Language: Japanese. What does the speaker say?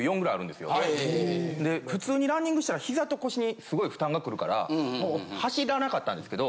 普通にランニングしたら膝と腰にすごい負担がくるから走らなかったんですけど。